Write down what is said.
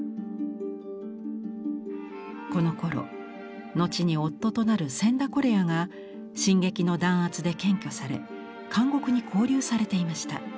このころ後に夫となる千田是也が新劇の弾圧で検挙され監獄にこう留されていました。